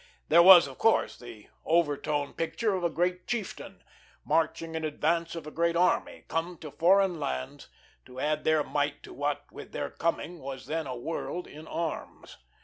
There was, of course, the overtone picture of a great chieftain, marching in advance of a great army, come to foreign lands to add their might to what, with their coming, was then a world in arms.